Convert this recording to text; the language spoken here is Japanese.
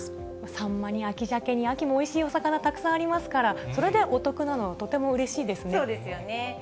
サンマに、秋ジャケに秋もおいしいお魚、たくさんありますから、それでおそうですよね。